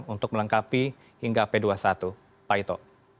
untuk melengkapi hingga p dua puluh satu pak ito